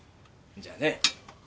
じゃあね